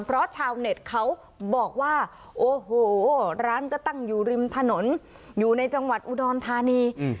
เพราะชาวเน็ตเขาบอกว่าโอ้โหร้านก็ตั้งอยู่ริมถนนอยู่ในจังหวัดอุดรธานี